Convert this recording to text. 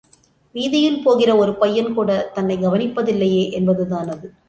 வீதியில் போகிற ஒரு பையன் கூடத் தன்னைக் கவனிப்பதில்லையே என்பதுதான் அது.